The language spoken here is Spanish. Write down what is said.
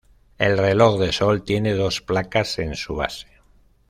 El reloj de sol tiene dos placas en su base.